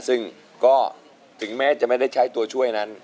ซึ่งก็ถึงแม้จะไม่ได้ใช้ตัวช่วยนั้น